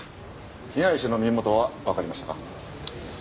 被害者の身元はわかりましたか？